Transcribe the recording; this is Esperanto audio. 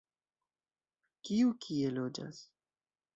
Kiu kie loĝas?